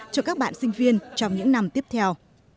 cho các bạn sinh viên trong những năm tiếp theo